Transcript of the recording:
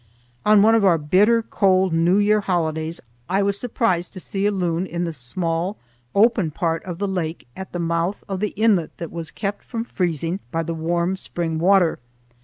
On one of our bitter cold New Year holidays I was surprised to see a loon in the small open part of the lake at the mouth of the inlet that was kept from freezing by the warm spring water.